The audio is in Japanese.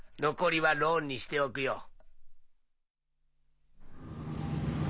残りはローンにしておくよ。